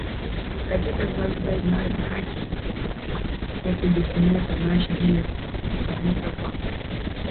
Kakika Zanzibar inayo haki ya kujivunia Tamasha hiyo kufanyika kwao